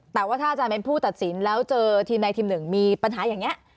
แต่ว่าถ้าอาจารย์เป็นผู้ตัดสินแล้วเจอทีมใดทีมหนึ่งมีปัญหาอย่างนี้